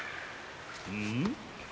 うん？